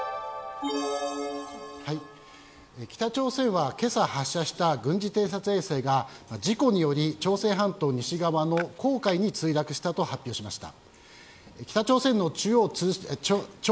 北朝鮮は、けさ発射した軍事偵察衛星が事故により、朝鮮半島の西側の黄海に墜落したと発表しました。